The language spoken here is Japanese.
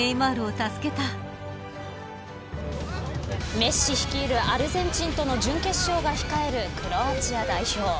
メッシ率いるアルゼンチンとの準決勝が控えるクロアチア代表。